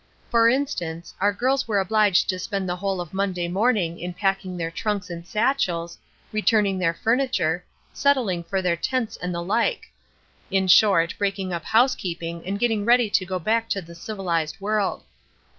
For instance, our girls were obliged to spend the whole of Monday morning in packing their trunks and satchels, returning their furniture, settling for their tents, and the like; in short, breaking up housekeeping and getting ready to go back to the civilized world.